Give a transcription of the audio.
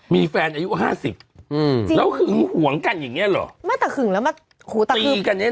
มีแฟนอายุ๕๐แล้วถึงห่วงกันอย่างนี้หรอ